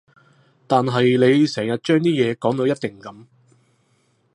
但係你成日將啲嘢講到一定噉